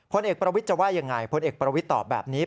เอกประวิทย์จะว่ายังไงพลเอกประวิทย์ตอบแบบนี้